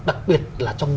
đặc biệt là trong